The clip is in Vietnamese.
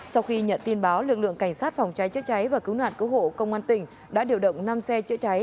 sau khi nhận tin báo lực lượng cảnh sát phòng cháy chữa cháy và cứu nạn cứu hộ công an tỉnh đã điều động năm xe chữa cháy